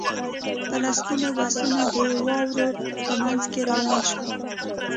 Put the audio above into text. په لسګونه بسونه د واورو په منځ کې روان شول